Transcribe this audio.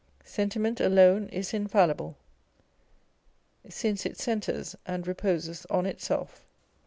sentiment alone is infallible, since it centres and reposes on itself.